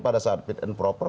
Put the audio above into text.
pada saat fit and proper